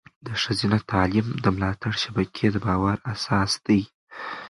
د ښځینه تعلیم د ملاتړ شبکې د باور اساس دی.